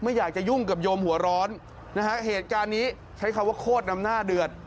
ไม่อยากจะยุ่งกับโยมหัวร้อนนะฮะเหตุการณ์นี้ใช้คำว่าโคตรนำหน้าเดือด